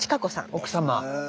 奥様。